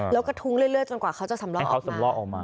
แล้วกระทุ้งเรื่อยจนว่าเขาจะสำล่อออกมา